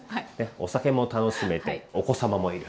お酒も楽しめてお子様もいる。